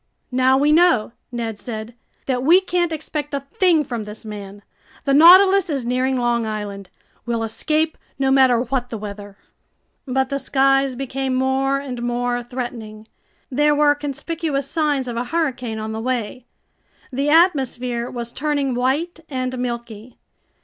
"Now we know," Ned said, "that we can't expect a thing from this man. The Nautilus is nearing Long Island. We'll escape, no matter what the weather." But the skies became more and more threatening. There were conspicuous signs of a hurricane on the way. The atmosphere was turning white and milky.